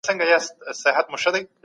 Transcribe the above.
اقتصادي توازن ډېر مهم دی.